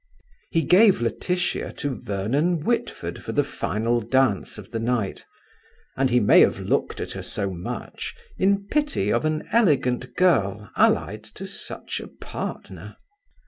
He gave Laetitia to Vernon Whitford for the final dance of the night, and he may have looked at her so much in pity of an elegant girl allied to such a partner.